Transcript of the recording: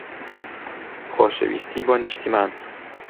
خۆشەویستی بۆ نیشتمان.